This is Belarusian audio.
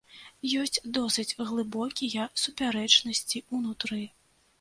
Ёсць досыць глыбокія супярэчнасці ўнутры.